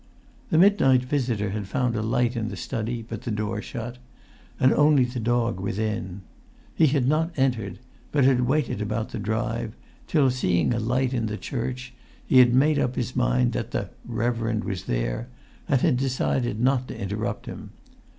The midnight visitor had found a light in the study, but the door shut, and only the dog within. He had not entered, but had waited about the drive, till, seeing a light in the church, he had made up his mind that "the reverend" was there, and had decided not to interrupt him.